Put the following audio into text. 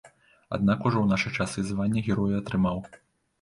Аднак ужо ў нашы часы звання героя атрымаў.